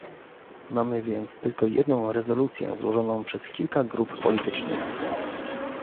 Mamy więc tylko jedną rezolucję złożoną przez kilka grup politycznych